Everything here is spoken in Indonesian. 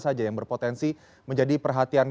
saja yang berpotensi menjadi perhatian